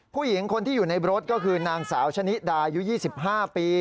ผู้หญิงคนที่อยู่ในรถก็คือนางสาวชะนิดาอายุ๒๕ปี